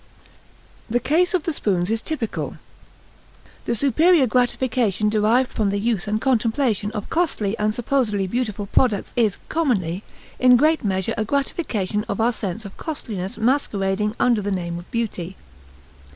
The case of the spoons is typical. The superior gratification derived from the use and contemplation of costly and supposedly beautiful products is, commonly, in great measure a gratification of our sense of costliness masquerading under the name of beauty.